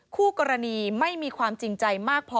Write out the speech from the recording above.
คู่กรณีไม่มีความจริงใจมากพอ